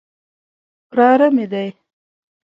وراره مې دی.